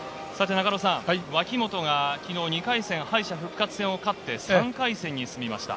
脇本が昨日２回戦敗者復活戦を勝って３回戦に進みました。